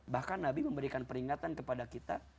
bahkan nabi memberikan peringatan kepada kita